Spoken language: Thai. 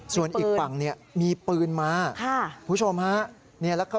ส่วนอีกฝั่งเนี่ยมีปืนมา